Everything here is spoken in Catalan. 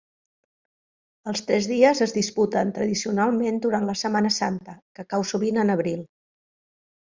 Els Tres Dies es disputen tradicionalment durant la Setmana Santa, que cau sovint en abril.